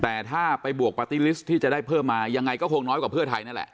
แต่ถ้าไปบวกปาร์ตี้ลิสต์ที่จะได้เพิ่มมายังไงก็คงน้อยกว่าเพื่อไทยนั่นแหละ